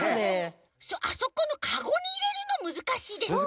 あそこのカゴにいれるのむずかしいですね。